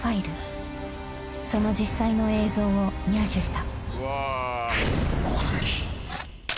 ［その実際の映像を入手した］